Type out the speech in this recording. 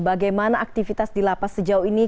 bagaimana aktivitas di lapas sejauh ini